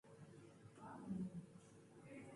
Umgababa River is also known as Umgababa, Umtateni River.